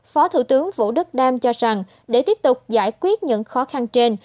phó thủ tướng vũ đức đam cho rằng để tiếp tục giải quyết những khó khăn trên